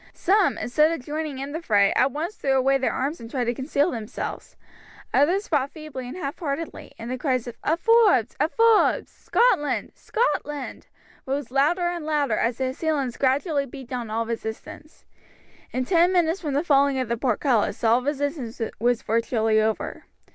Some, instead of joining in the fray, at once threw away their arms and tried to conceal themselves, others fought feebly and half heartedly, and the cries of "A Forbes! A Forbes! Scotland! Scotland!" rose louder and louder as the assailants gradually beat down all resistance. In ten minutes from the falling of the portcullis all resistance was virtually over.